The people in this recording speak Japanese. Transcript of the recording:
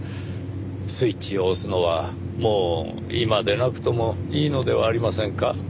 スイッチを押すのはもう今でなくともいいのではありませんか？